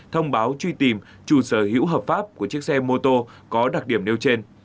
thông báo truy tìm chủ sở hữu hợp pháp của chiếc xe mô tô có đặc điểm nêu trên